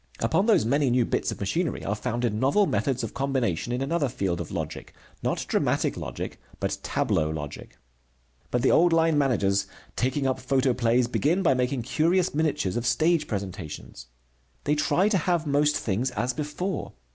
Upon those many new bits of machinery are founded novel methods of combination in another field of logic, not dramatic logic, but tableau logic. But the old line managers, taking up photoplays, begin by making curious miniatures of stage presentations. They try to have most things as before.